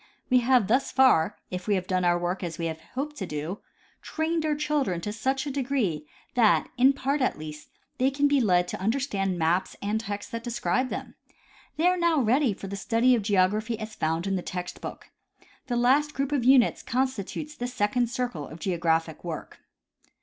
AV^e have thus far, if we Training of the Imagination. 147 have done our work as we had hoped to do, trained our children to such a degree that, in part at least, they can be lead to under stand maps and texts that describe them. They are now ready for the study of geography as found in the text book. The last group of units constitutes the second circle of geographic work.